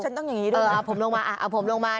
เอาผมลงมาเอาผมลงมา